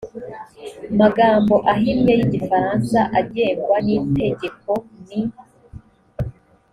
magambo ahinnye y igifaransa ugengwa n itegeko n